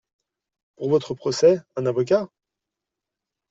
Pour votre procès, un avocat…